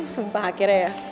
sumpah akhirnya ya